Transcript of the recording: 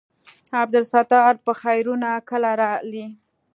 عبدالستاره په خيرونه کله رالې.